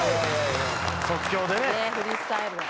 フリースタイルだ。